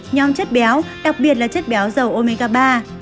nhóm chất béo đặc biệt là chất béo dầu omega ba